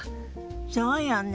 そうよね。